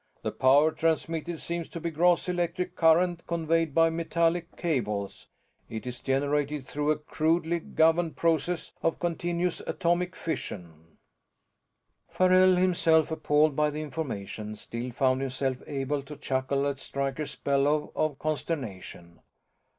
"The power transmitted seems to be gross electric current conveyed by metallic cables. It is generated through a crudely governed process of continuous atomic fission." Farrell, himself appalled by the information, still found himself able to chuckle at Stryker's bellow of consternation.